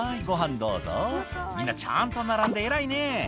どうぞみんなちゃんと並んで偉いね」